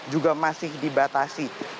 juga masih dibatasi